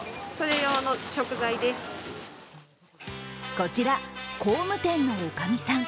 こちら、工務店の女将さん。